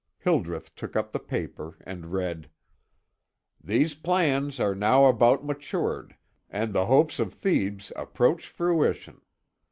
Hildreth took up the paper and read: "These plans are now about matured, and the hopes of Thebes approach fruition.